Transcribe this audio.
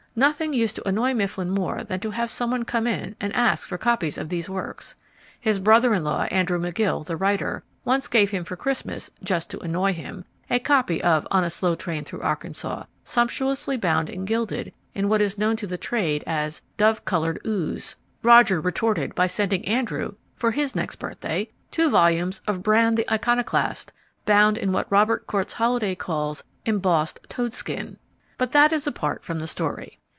Nothing used to annoy Mifflin more than to have someone come in and ask for copies of these works. His brother in law, Andrew McGill, the writer, once gave him for Christmas (just to annoy him) a copy of On a Slow Train Through Arkansaw sumptuously bound and gilded in what is known to the trade as "dove coloured ooze." Roger retorted by sending Andrew (for his next birthday) two volumes of Brann the Iconoclast bound in what Robert Cortes Holliday calls "embossed toadskin." But that is apart from the story.